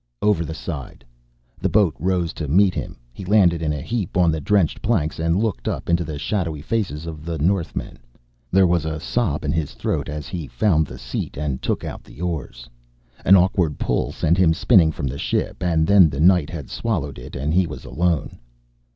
Over the side! The boat rose to meet him, he landed in a heap on drenched planks and looked up into the shadowy faces of the northmen. There was a sob in his throat as he found the seat and took out the oars. An awkward pull sent him spinning from the ship, and then the night had swallowed it and he was alone.